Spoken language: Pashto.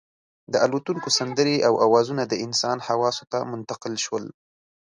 د الوتونکو سندرې او اوازونه د انسان حواسو ته منتقل شول.